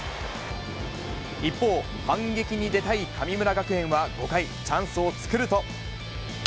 一方、反撃に出たい神村学園は５回、チャンスを作ると。